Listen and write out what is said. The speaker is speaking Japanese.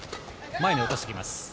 前に落としていきます。